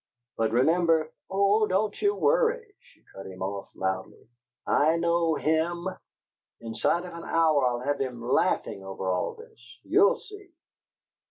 But remember " "Oh, don't you worry," she cut him off, loudly. "I know HIM! Inside of an hour I'll have him LAUGHIN' over all this. You'll see!"